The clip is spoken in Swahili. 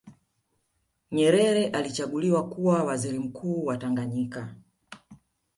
Nyerere alichaguliwa kuwa waziri mkuu wa Tanganyika